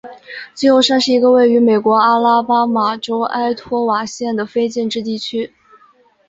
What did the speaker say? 自由山是一个位于美国阿拉巴马州埃托瓦县的非建制地区。